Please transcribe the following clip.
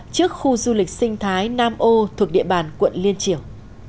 trước khu du lịch sinh thái nam ô thuộc địa bàn quận liên triều